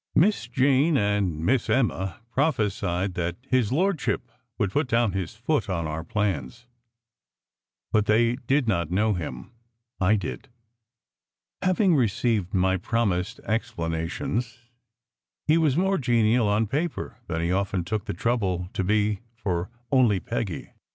Miss Jane and Miss Emma prophesied that "his lord ship" would put down his foot on our plans, but they did not know him. I did. Having received my promised ex planations, he was more genial on paper than he often took the trouble to be for "only Peggy."